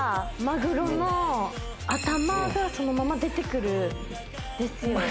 マグロの頭がそのまま出てくるんですよ